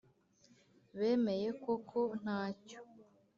bemeye ko ko ntacyo